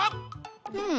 うん？